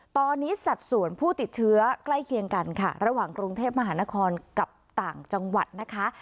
ตอนนี้สัดส่วนผู้ติดเชื้อใกล้เคียงกันค่ะระหว่างกรุงเทพมหานครกับต่างจังหวัดนะคะ